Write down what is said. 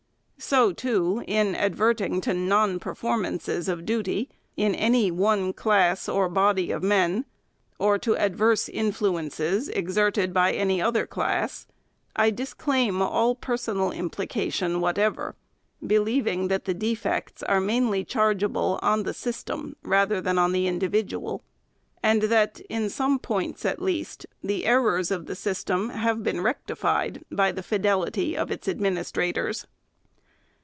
So, too, in advert ing to non performances of duty in any one class or body of men, or to adverse influences, exerted by any other class, I disclaim all. personal implication whatever; believing that the defects are mainly chargeable on the system rather than the individual ; and that, in some points at least, the errors of the system have been recti fied by the fidelity of its administrators.